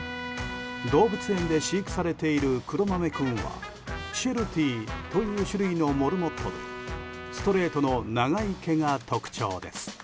動物園で飼育されているくろまめ君はシェルティという種類のモルモットでストレートの長い毛が特徴です。